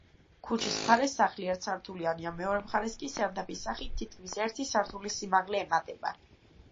ქუჩის მხარეს სახლი ერთსართულიანია, მეორე მხარეს კი სარდაფის სახით თითქმის ერთი სართულის სიმაღლე ემატება.